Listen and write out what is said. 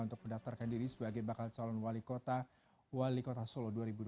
untuk mendaftarkan diri sebagai bakal calon wali kota wali kota solo dua ribu dua puluh